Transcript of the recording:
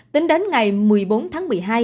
tính đến ngày một mươi bốn tháng một mươi hai